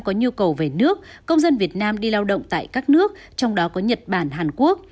có nhu cầu về nước công dân việt nam đi lao động tại các nước trong đó có nhật bản hàn quốc